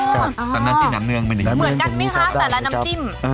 แต่น้ำจิ้มน้ำเนืองเป็นอย่างนี้เหมือนกันไหมคะแต่ละน้ำจิ้ม